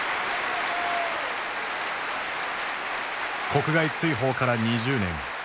国外追放から２０年。